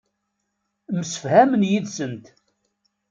Msefhamen yid-sent.